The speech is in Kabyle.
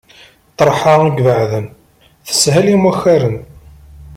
Ṭeṛḥa ibeɛden, teshel i yimakaren.